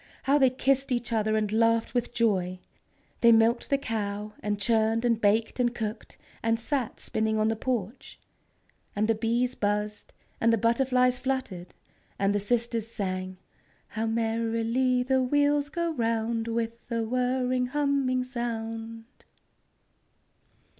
How they kissed each other and laughed with joy! They milked the cow, and churned, and baked, and cooked, and sat spinning on the porch. And the bees buzzed, and the butterflies fluttered, and the sisters sang: "_How merrily the wheels go round, With a whirring, humming sound!